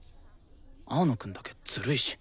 青野くんだけずるいし。